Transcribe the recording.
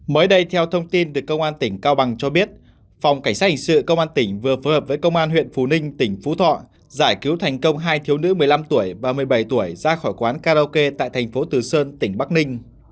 mới đây theo thông tin từ công an tỉnh cao bằng cho biết phòng cảnh sát hình sự công an tỉnh vừa phối hợp với công an huyện phú ninh tỉnh phú thọ giải cứu thành công hai thiếu nữ một mươi năm tuổi ba mươi bảy tuổi ra khỏi quán karaoke tại thành phố từ sơn tỉnh bắc ninh